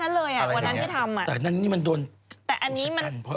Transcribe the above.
ทำได้แค่นั้นเลยวันนั้นที่ทำ